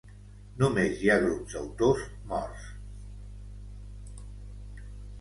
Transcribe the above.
Només hi ha grups d'autors morts.